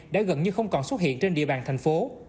đã gần như không còn xuất hiện trên địa bàn thành phố